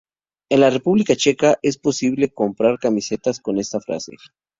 En la República Checa, es posible comprar camisetas con esta frase.